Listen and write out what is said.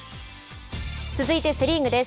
続いてセ・リーグです。